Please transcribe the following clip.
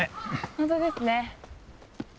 本当ですね。